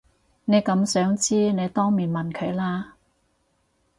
你咁想知你當面問佢啦